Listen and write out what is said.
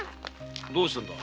どうしたんだ？